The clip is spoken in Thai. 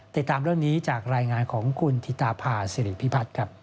ติดตามเรื่องนี้จากรายงานของคุณธิตาภาษิริพิพัฒน์ครับ